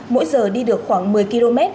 mỗi giờ đi được khoảng một mươi km